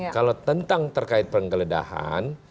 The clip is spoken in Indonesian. kalau tentang terkait penggeledahan